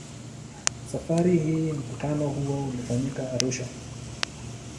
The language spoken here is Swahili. Safari hii mkutano huo ulifanyika Arusha.